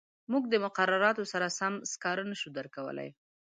موږ د مقرراتو سره سم سکاره نه شو درکولای.